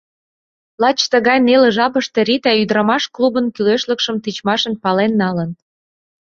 Лач тыгай неле жапыште Рита Ӱдырамаш клубын кӱлешлыкшым тичмашын пален налын.